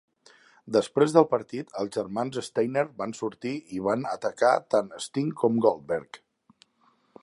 Després del partit, els germans Steiner van sortir i van atacar tant Sting com Goldberg.